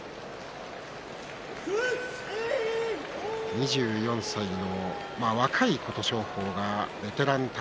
２４歳の若い琴勝峰がベテラン宝